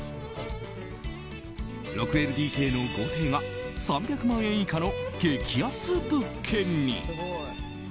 ６ＬＤＫの豪邸が３００万円以下の激安物件に。